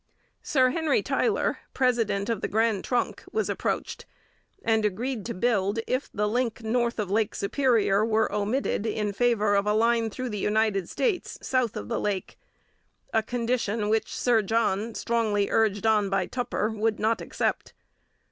Sir Henry Tyler, president of the Grand Trunk, was approached, and agreed to build if the link north of Lake Superior were omitted in favour of a line through the United States, south of the lake, a condition which Sir John, strongly urged on by Tupper, would not accept.